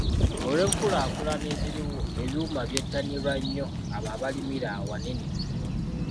Olw'enkulaakulana eziriwo ebyuma byettanirwa nnyo abo abalimira awanene.